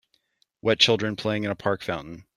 wet children playing in a park fountain